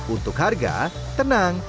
untuk harga tenang